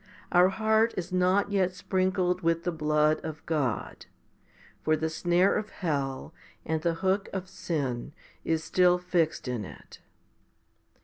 Our heart is not yet sprinkled with the blood of God ; for the snare of hell, 5 and the hook of sin is still fixed in it.